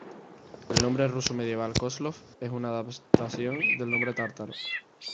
El nombre ruso medieval "Kozlov" es una adaptación del nombre tártaro.